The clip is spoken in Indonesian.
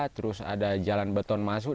terus ada jalan beton masuk